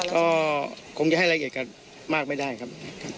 ก็คงจะให้รายละเอียดกันมากไม่ได้ครับ